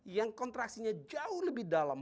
yang kontraksinya jauh lebih dalam